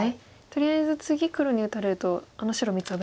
とりあえず次黒に打たれるとあの白３つ